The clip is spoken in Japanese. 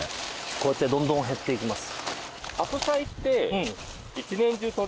こうやってどんどん減っていきます。